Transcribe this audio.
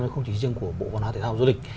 và không chỉ riêng của bộ văn hóa thể tăng và du lịch